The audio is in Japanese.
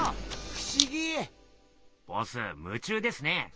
ふしぎ！ボス夢中ですね。